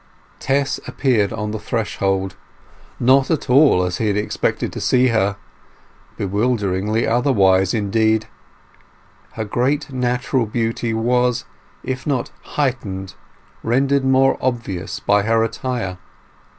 Tess appeared on the threshold—not at all as he had expected to see her—bewilderingly otherwise, indeed. Her great natural beauty was, if not heightened, rendered more obvious by her attire.